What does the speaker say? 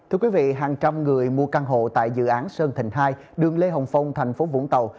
hàng trăm người mua căn hộ tại dự án sơn thịnh hai đường lê hồng phong tp vũng tàu